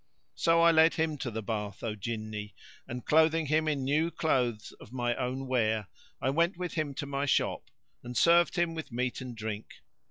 So I led him to the bath, O Jinni, and clothing him in new clothes of my own wear, I went with him to my shop and served him with meat and drink.